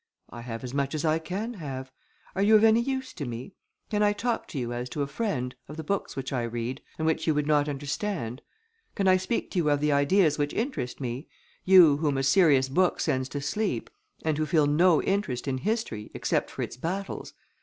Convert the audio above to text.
"I have as much as I can have. Are you of any use to me? Can I talk to you as to a friend, of the books which I read, and which you would not understand? Can I speak to you of the ideas which interest me? You, whom a serious book sends to sleep, and who feel no interest in history, except for its battles?